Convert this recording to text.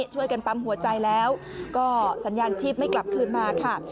ช่วยกันปั๊มหัวใจแล้วก็สัญญาณชีพไม่กลับคืนมาค่ะ